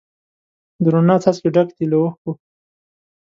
د روڼا څاڅکي ډک دي له اوښکو